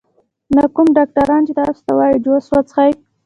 نو کوم ډاکټران چې تاسو ته وائي جوس څښئ